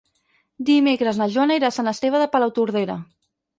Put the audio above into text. Dimecres na Joana irà a Sant Esteve de Palautordera.